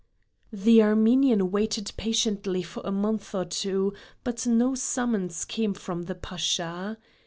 The Armenian waited patiently for a month or two, but no summons came from the Pasha.